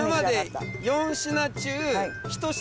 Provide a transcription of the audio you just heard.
４品中１品。